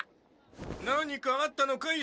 何かあったのかい？